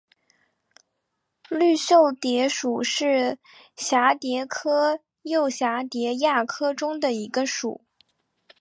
绿袖蝶属是蛱蝶科釉蛱蝶亚科中的一个属。